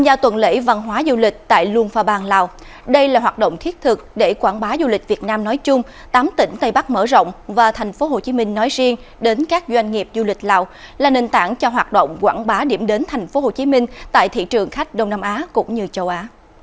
và thành phố hồ chí minh nói riêng đến các doanh nghiệp du lịch lào là nền tảng cho hoạt động quảng bá điểm đến thành phố hồ chí minh tại thị trường khách đông nam á cũng như châu á